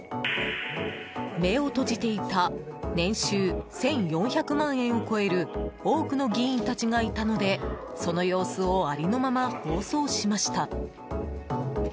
目を閉じていた年収１４００万円を超える多くの議員たちがいたのでその様子をありのまま放送しました。